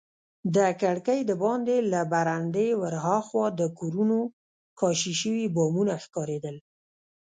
د کړکۍ دباندې له برنډې ورهاخوا د کورونو کاشي شوي بامونه ښکارېدل.